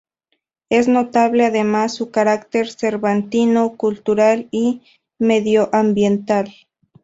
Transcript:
Es notable además su carácter cervantino, cultural y medioambiental.